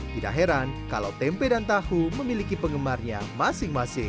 tidak heran kalau tempe dan tahu memiliki penggemarnya masing masing